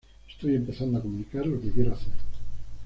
Estoy empezando a comunicar lo que quiero hacer.